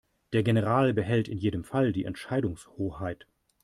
Der General behält in jedem Fall die Entscheidungshoheit.